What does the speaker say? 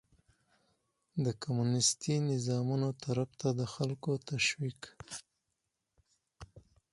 د کمونيستي نظامونو طرف ته د خلکو تشويق